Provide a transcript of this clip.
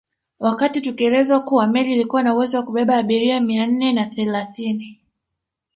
Wakati tukielezwa kuwa meli ilikuwa na uwezo wa kubeba abiria mia nne na thelathini